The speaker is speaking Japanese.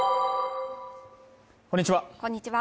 こんにちは